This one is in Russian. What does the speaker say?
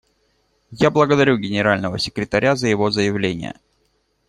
Я благодарю Генерального секретаря за его заявление.